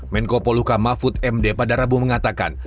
menko poluka mahfud md pada rabu mengatakan